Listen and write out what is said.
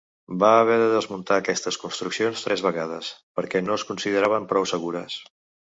Va haver de desmuntar aquestes construccions tres vegades, perquè no es consideraven prou segures.